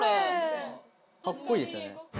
かっこいいですね